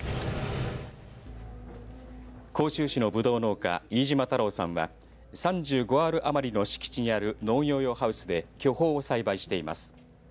甲州市のぶどう農家飯島太郎さんは３５アール余りの敷地にある農業用ハウスで巨峰を栽培しています。